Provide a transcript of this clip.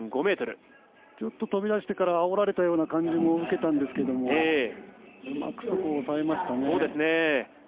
ちょっと飛び出してからあおられた感じも受けたんですけどうまく、そこを抑えましたね。